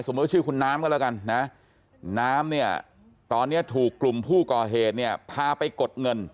ชื่อคุณน้ำก็แล้วกันนะน้ำเนี่ยตอนนี้ถูกกลุ่มผู้ก่อเหตุเนี่ยพาไปกดเงิน